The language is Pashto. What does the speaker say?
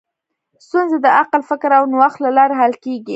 ستونزې د عقل، فکر او نوښت له لارې حل کېږي.